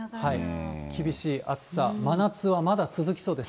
厳しい暑さ、真夏はまだ続きそうです。